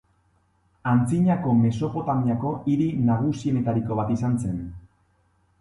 Antzinako Mesopotamiako hiri nagusienetariko bat izan zen.